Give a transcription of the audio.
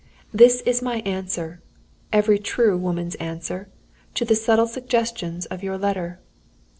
"This is my answer every true woman's answer to the subtle suggestions of your letter.